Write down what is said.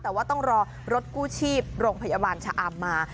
แต่ว่าต้องรอรถกู้ชีพโรงพยาบาลชะอำมา